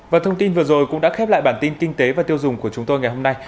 và thông tin vừa rồi cũng đã khép lại bản tin kinh tế và tiêu dùng của chúng tôi ngày hôm nay